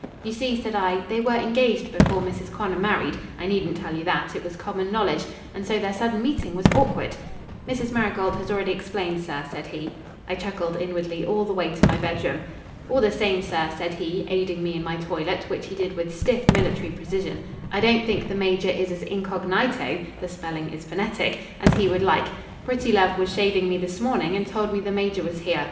"You see," said I, "they were engaged before Mrs. Connor married I needn't tell you that; it was common knowledge and so their sudden meeting was awkward." "Mrs. Marigold has already explained, sir," said he. I chuckled inwardly all the way to my bedroom. "All the same, sir," said he, aiding me in my toilet, which he did with stiff military precision, "I don't think the Major is as incognighto" (the spelling is phonetic) "as he would like. Prettilove was shaving me this morning and told me the Major was here.